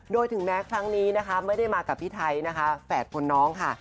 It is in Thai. โดยถึงแม้ครั้งนี้นะคะไม่ได้มากับพี่ไทยนะคะแฝดคนน้องค่ะ